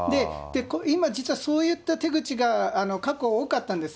今、実はそういった手口が過去、多かったんです。